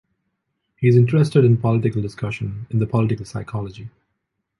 He is interested in political discussion, in the political psychology.